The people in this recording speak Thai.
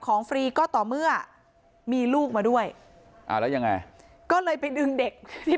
ฟรีก็ต่อเมื่อมีลูกมาด้วยอ่าแล้วยังไงก็เลยไปดึงเด็กที่